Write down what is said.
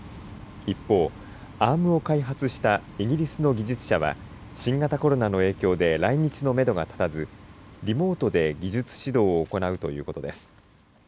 一方、アームを開発したイギリスの技術者は新型コロナの影響で来日のめどが立たずリモートで技術指導を行うということです。